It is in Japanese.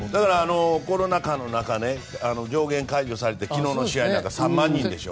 コロナ禍で上限解除されて昨日の試合、３万人でしょ。